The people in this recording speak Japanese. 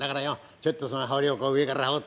ちょっとその羽織を上から羽織ってね